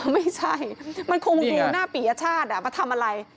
ไม่ใช่มันคงดูหน้าปียชาติมาทำอะไร